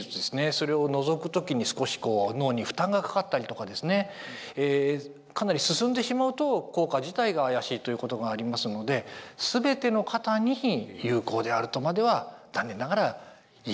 それを除く時に少しこう脳に負担がかかったりとかですねかなり進んでしまうと効果自体が怪しいということがありますので全ての方に有効であるとまでは残念ながら言い難い。